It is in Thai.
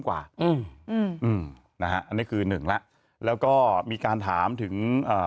กว่าอืมอืมนะฮะอันนี้คือหนึ่งแล้วแล้วก็มีการถามถึงเอ่อ